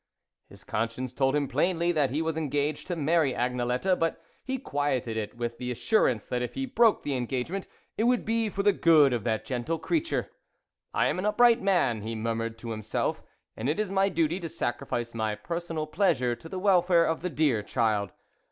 His conscience told him plainly that he was engaged to marry Agnelette ; but he quieted it with, the assurance that if he broke the engagement, it would be for the good of that gentle creature. " I am an upright man," he murmured to himself, " and it is my duty to sacrifice my personal pleasure to the welfare of the dear child.